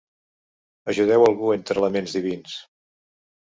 Ajudeu algú entre laments divins.